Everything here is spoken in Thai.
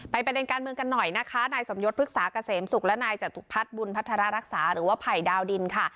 ประเด็นการเมืองกันหน่อยนะคะนายสมยศพฤกษาเกษมศุกร์และนายจตุพัฒน์บุญพัฒนารักษาหรือว่าไผ่ดาวดินค่ะ